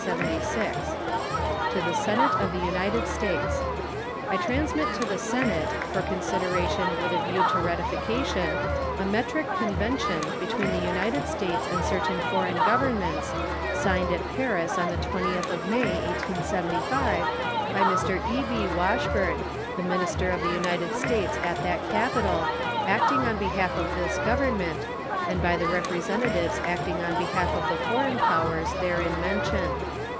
To the Senate of the United States: I transmit to the Senate, for consideration with a view to ratification, a metric convention between the United States and certain foreign governments, signed at Paris on the 20th of May, 1875, by Mr. E.B. Washburne, the minister of the United States at that capital, acting on behalf of this Government, and by the representatives acting on behalf of the foreign powers therein mentioned.